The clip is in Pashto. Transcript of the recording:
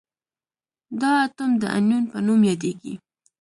دا اتوم د انیون په نوم یادیږي.